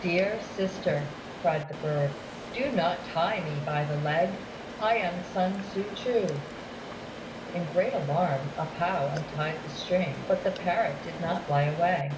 "Dear sister," cried the bird, "do not tie me by the leg: I am Sun Tzŭ ch'u." In great alarm A pao untied the string, but the parrot did not fly away.